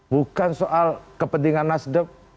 bukan soal kepentingan nasdeb